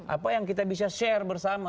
apa yang kita bisa share bersama